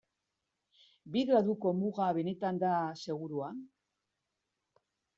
Bi graduko muga benetan da segurua?